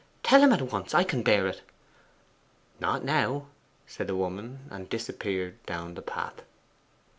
'Tell him at once; I can bear it.' 'Not now,' said the woman, and disappeared down the path.